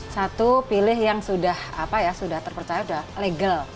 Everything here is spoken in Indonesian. satu pilih yang sudah terpercaya sudah legal